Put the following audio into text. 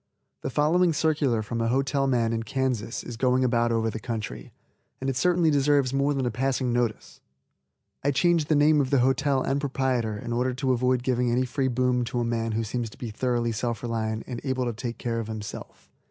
The following circular from a hotel man in Kansas is going about over the country, and it certainly deserves more than a passing notice. I change the name of the hotel and proprietor in order to avoid giving any free boom to a man who seems to be thoroughly self reliant and able to take care of himself.